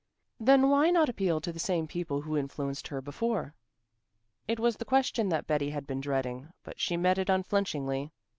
"Then why not appeal to the same people who influenced her before?" It was the question that Betty had been dreading, but she met it unflinchingly.